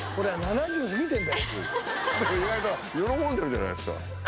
意外と喜んでるじゃないですか。